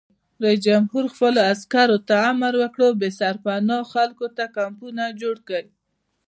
رئیس جمهور خپلو عسکرو ته امر وکړ؛ بې سرپناه خلکو ته کمپونه جوړ کړئ!